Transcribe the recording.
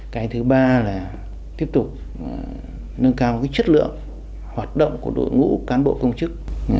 cái thứ ba là tiếp tục nâng cao chất lượng hoạt động của đội ngũ cán bộ công chức